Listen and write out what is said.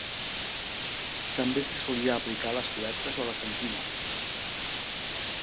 També se solia aplicar a les cobertes o la sentina.